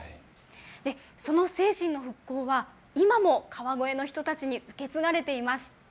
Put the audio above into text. その精神の復興は今も川越の人たちに受け継がれています。